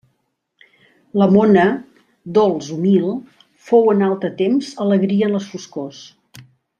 La mona, dolç humil, fou en altre temps alegria en les foscors.